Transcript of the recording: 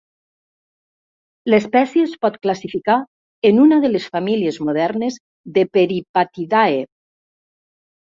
L'espècie es pot classificar en una de les famílies modernes de Peripatidae.